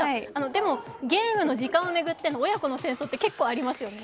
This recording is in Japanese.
でもゲームの時間を巡っての親子の戦争って結構ありますよね。